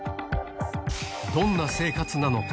どんな生活なのか。